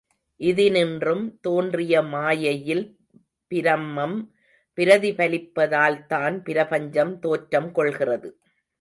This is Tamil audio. இதினின்றும் தோன்றிய மாயையில் பிரம்மம் பிரதிபலிப்பதால்தான் பிரபஞ்சம் தோற்றம் கொள்கிறது.